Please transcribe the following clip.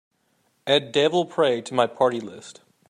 add Devil Pray to my party list